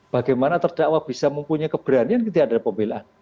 bagaimana terdakwa bisa mempunyai keberanian ketika ada pembelaan